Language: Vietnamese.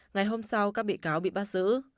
ngày hôm sau các bị cáo bị bắt giữ